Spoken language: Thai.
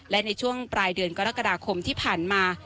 และในช่วงปลายเดือนกรกฎาคมที่ผ่านมา